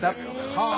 はあ。